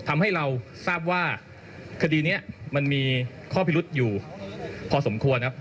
มีข้อพิรุษอยู่พอสมควรครับ